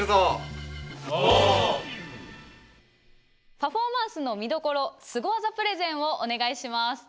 パフォーマンスの見どころスゴ技プレゼンをお願いします。